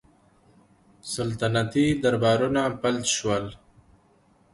سلطنتي دربارونه فلج شول.